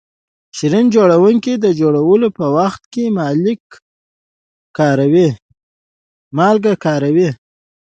شیریخ جوړونکي د جوړولو په وخت کې مالګه کاروي.